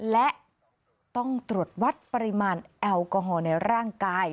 และต้องตรวจวัดปริมาณแอลกอฮอล์ในร่างกาย